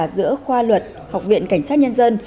giữa khoa luật học viện cảnh sát nhân dân